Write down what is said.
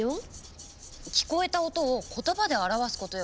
聞こえた音を言葉で表すことよ。